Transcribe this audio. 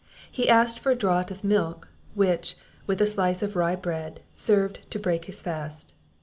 He asked for a draught of milk, which, with a slice of rye bread, served to break his fast.